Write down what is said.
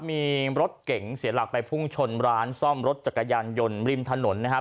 มีรถเก๋งเสียหลักไปพุ่งชนร้านซ่อมรถจักรยานยนต์ริมถนนนะครับ